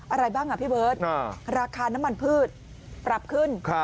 อะไรบ้างอ่ะพี่เบิร์ตราคาน้ำมันพืชปรับขึ้น